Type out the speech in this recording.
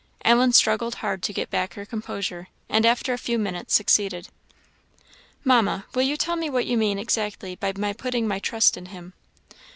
Ellen struggled hard to get back her composure, and after a few minutes succeeded. "Mamma, will you tell me what you mean exactly by my 'putting my trust' in Him?"